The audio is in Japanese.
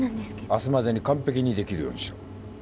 明日までに完璧にできるようにしろ。